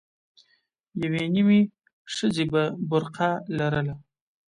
يوې نيمې ښځې به برقه لرله.